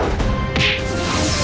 ayo kita berdua